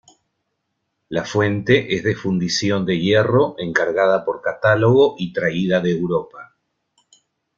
La fuente es de fundición de hierro encargada por catálogo y traída de Europa.